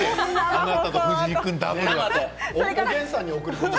あなたと藤井君ダブルなんて。